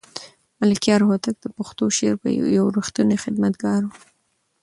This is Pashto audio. ملکیار هوتک د پښتو شعر یو رښتینی خدمتګار و.